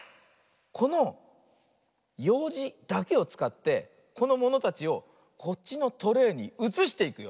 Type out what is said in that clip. このようじだけをつかってこのものたちをこっちのトレーにうつしていくよ。